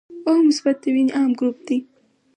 او مثبت د وینې عام ګروپ دی